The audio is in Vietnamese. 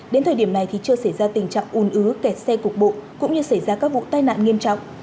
đến thời điểm này thì chưa xảy ra tình trạng ùn ứ kẹt xe cục bộ cũng như xảy ra các vụ tai nạn nghiêm trọng